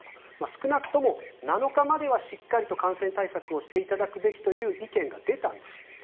少なくとも７日まではしっかりと感染対策をしていただくべきという意見が出たんだと。